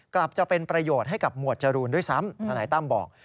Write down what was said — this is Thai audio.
กลับจะเป็นประโยชน์ให้กับหมวดจรูนด้วยซ้ำทนายตั้มบอก